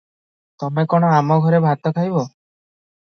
ତମେ କଣ ଆମଘରେ ଭାତ ଖାଇବ?